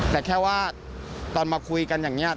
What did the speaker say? แต่แค่ว่าตอนมาคุยกันอย่างนี้